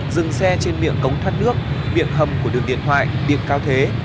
dừng xe trên miệng cống thoát nước miệng hầm của đường điện thoại điện cao thế